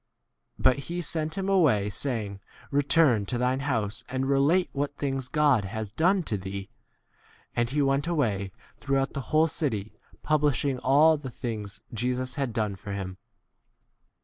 But he c sent 39 him away, saying, Return to thine house and relate what things God has done to thee. And he went away through the whole city pub lishing all the things Jesus had done for him.